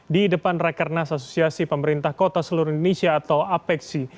di depan rekernas asosiasi pemerintah kota seluruh indonesia atau apexi